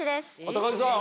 高城さん。